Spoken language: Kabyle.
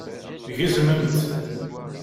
Gezmemt!